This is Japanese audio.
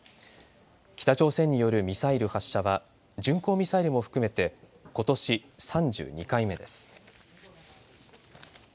北朝鮮によるミサイル発射は巡航ミサイルも含めてことし３２回目です。